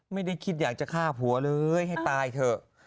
ไม่ได้คิดอยากจะฆ่าผัวเลยให้ตายเถอะ